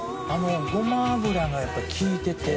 ごま油がやっぱり効いてて。